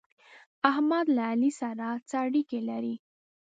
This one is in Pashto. احمد له علي سره څه اړېکې لري؟